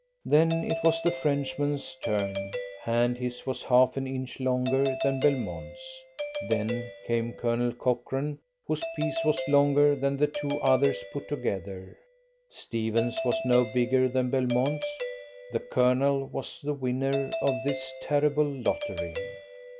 Then it was the Frenchman's turn, and his was half an inch longer than Belmont's. Then came Colonel Cochrane, whose piece was longer than the two others put together. Stephens' was no bigger than Belmont's. The Colonel was the winner of this terrible lottery.